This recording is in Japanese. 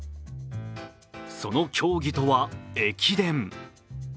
その競技とは、駅伝。